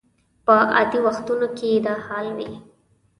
په عادي وختونو کې دا حال وي.